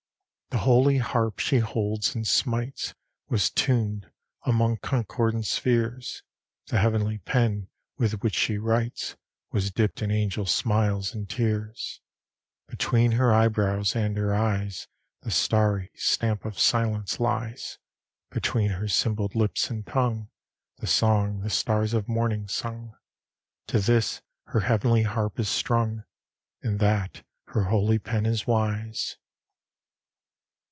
The holy harp she holds and smites Was tuned among concordant spheres; The heavenly pen with which she writes Was dipped in angel smiles and tears: Between her eyebrows and her eyes The starry stamp of silence lies; Between her symboled lips and tongue, The song the stars of morning sung: To this her heavenly harp is strung, In that her holy pen is wise.